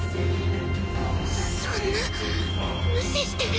そんな無視してる？